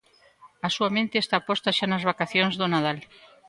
A súa mente está posta xa nas vacacións do Nadal.